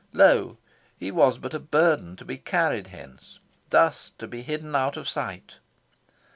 Lo, he was but a burden to be carried hence, dust to be hidden out of sight.